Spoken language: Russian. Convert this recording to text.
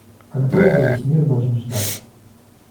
Как долго весь мир должен ждать?